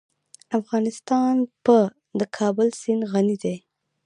افغانستان په د کابل سیند غني دی.